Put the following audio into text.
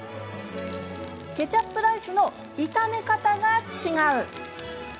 ケチャップライスの炒め方が違う！